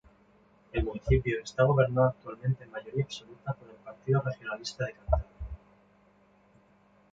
El municipio está gobernado actualmente en mayoría absoluta por el Partido Regionalista de Cantabria.